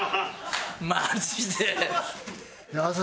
マジで。